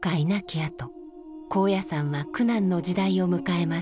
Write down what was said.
あと高野山は苦難の時代を迎えます。